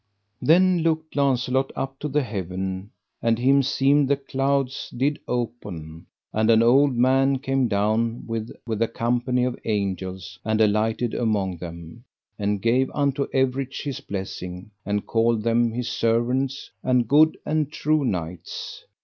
Then looked Launcelot up to the heaven, and him seemed the clouds did open, and an old man came down, with a company of angels, and alighted among them, and gave unto everych his blessing, and called them his servants, and good and true knights.